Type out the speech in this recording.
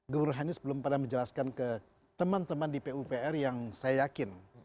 gubernur anies belum pernah menjelaskan ke teman teman di pupr yang saya yakin